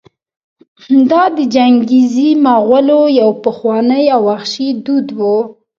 دا د چنګېزي مغولو یو پخوانی او وحشي دود و.